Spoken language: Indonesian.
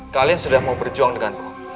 kalian sudah mau berjuang denganku